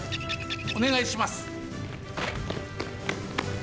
おねがいします。